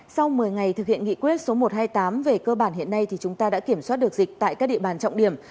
sau một mươi ngày thực hiện nghị quyết số một trăm hai mươi tám về cơ bản hiện nay chúng ta đã kiểm soát được dịch tại các địa bàn trọng điểm